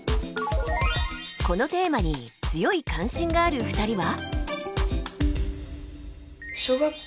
このテーマに強い関心がある２人は？